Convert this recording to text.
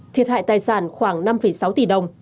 thiệt hại tài sản khoảng năm sáu tỷ đồng